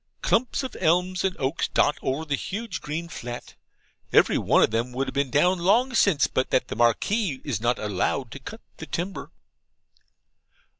Clumps of elms and oaks dot over the huge green flat. Every one of them would have been down long since, but that the Marquis is not allowed to cut the timber.